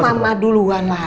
masa harus mama duluan lah